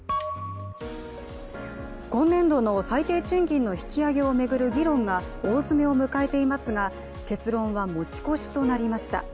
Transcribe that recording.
今年度の最低賃金の引き上げを巡る議論が大詰めを迎えていますが結論は持ち越しとなりました。